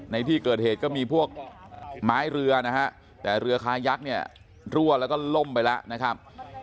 ในที่เกิดเหตุก็มีพวกไม้เรือนะฮะแต่เรือคายักษ์เนี่ยรั่วแล้วก็ล่มไปแล้วนะครับ